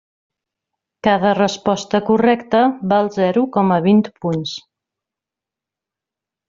Cada resposta correcta val zero coma vint punts.